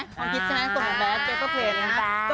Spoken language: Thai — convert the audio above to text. พอคิดใช่ไหมส่วนแบบเต็มที่ค่ะ